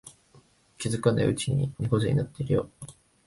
気づかないうちに猫背になってるよ